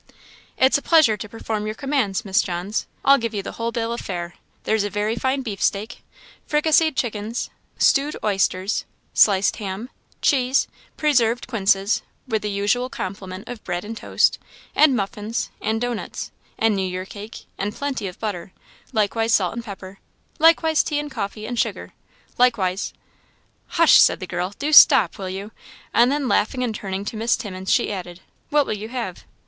"It's a pleasure to perform your commands, Miss Johns. I'll give you the whole bill of fare. There's a very fine beefsteak, fricasseed chickens, stewed oysters, sliced ham, cheese, preserved quinces, with the usual complement of bread and toast, and muffins, and dough nuts, and new year cake, and plenty of butter likewise salt and pepper likewise tea and coffee, and sugar likewise " "Hush!" said the girl. "Do stop, will you?" and then laughing and turning to Miss Timmins, she added, "What will you have?"